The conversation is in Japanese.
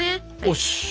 よし！